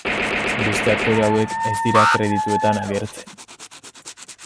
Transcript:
Beste aktore hauek ez dira kredituetan agertzen.